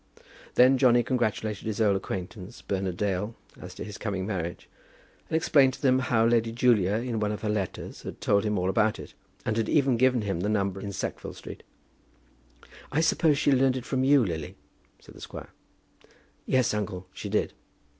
Then Johnny congratulated his old acquaintance, Bernard Dale, as to his coming marriage, and explained to them how Lady Julia in one of her letters had told him all about it, and had even given him the number in Sackville Street. "I suppose she learned it from you, Lily," said the squire. "Yes, uncle, she did."